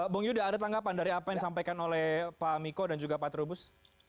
bung yuda ada tanggapan dari apa yang disampaikan oleh pak miko dan juga pak trubus